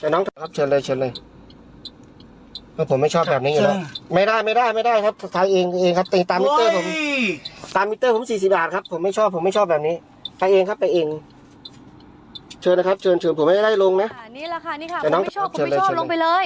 น้องครับเชิญเลยเชิญเลยเพราะผมไม่ชอบแบบนี้อยู่แล้ว